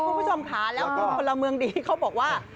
คุณผู้ชมขาแล้วคุณคนละเมืองดีเขาบอกว่า